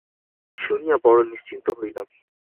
শুনিয়া বড়ো নিশ্চিন্ত হইলাম।